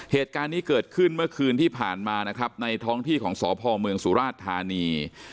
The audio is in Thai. เหตุการณ์นี้เกิดขึ้นเมื่อคืนที่ผ่านมานะครับในท้องที่ของสพเมืองสุราชธานี